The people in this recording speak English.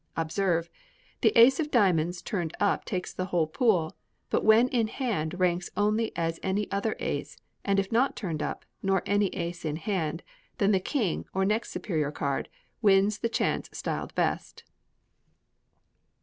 Observe: The ace of diamonds turned up takes the whole pool, but when in hand ranks only as any other ace; and if not turned up, nor any ace in hand, then the king, or next superior card, wins the chance styled best.